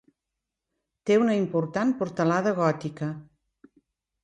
Té una important portalada gòtica.